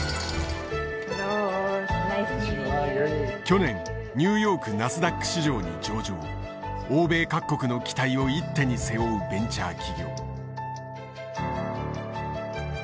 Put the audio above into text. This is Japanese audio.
去年ニューヨークナスダック市場に上場欧米各国の期待を一手に背負うベンチャー企業。